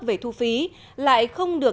về thu phí lại không được